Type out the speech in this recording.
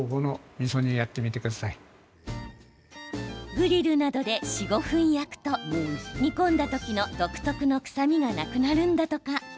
グリルなどで４、５分焼くと煮込んだ時の独特の臭みがなくなるんだとか。